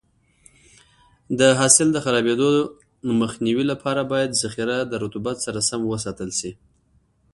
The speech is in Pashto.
د حاصل د خرابېدو مخنیوي لپاره باید ذخیره د رطوبت سره سم وساتل شي.